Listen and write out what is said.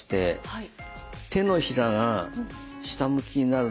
はい。